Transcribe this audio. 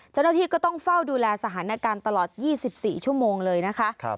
เจ้าหน้าที่ก็ต้องเฝ้าดูแลสถานการณ์ตลอด๒๔ชั่วโมงเลยนะคะ